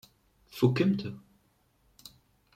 Tfukemt?